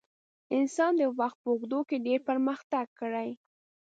انسان د وخت په اوږدو کې ډېر پرمختګ کړی.